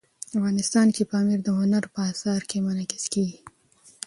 افغانستان کې پامیر د هنر په اثار کې منعکس کېږي.